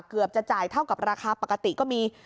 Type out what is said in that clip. เกือบจะจ่ายเท่ากับราคาปกติก็มี